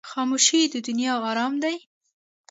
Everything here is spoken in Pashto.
خاموشي، د دنیا آرام دی.